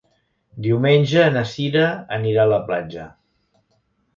Diumenge na Cira anirà a la platja.